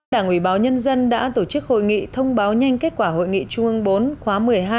đảng ủy báo nhân dân đã tổ chức hội nghị thông báo nhanh kết quả hội nghị trung ương bốn khóa một mươi hai